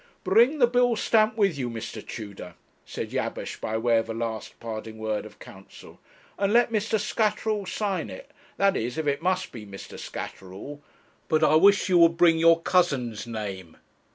'Bring the bill stamp with you, Mr. Tudor,' said Jabesh, by way of a last parting word of counsel; 'and let Mr. Scatterall sign it that is, if it must be Mr. Scatterall; but I wish you would bring your cousin's name.'